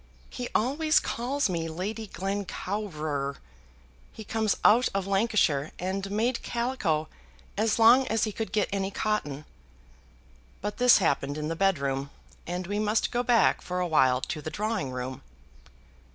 He always calls me Lady Glen cowrer. He comes out of Lancashire, and made calico as long as he could get any cotton." But this happened in the bedroom, and we must go back for a while to the drawing room.